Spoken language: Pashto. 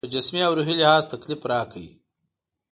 په جسمي او روحي لحاظ تکلیف راکړ.